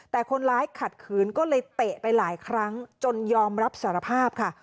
แต่คนร้ายขัดขืนก็เลยเตะไปหลายครั้งจนยอมรับสารภาพค่ะ